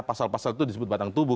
pasal pasal itu disebut batang tubuh